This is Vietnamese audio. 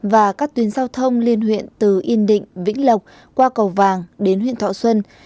và các tuyến giao thông liên huyện từ yên định vĩnh lộc qua cầu vàng đến huyện thọ xuân